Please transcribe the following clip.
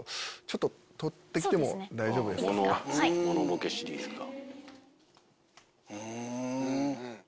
モノボケシリーズか。